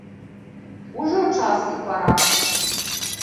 Ужо час і пара!